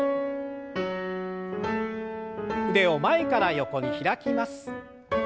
腕を前から横に開きます。